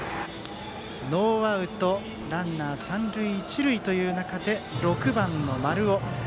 ノーアウトランナー、三塁一塁で６番の丸尾。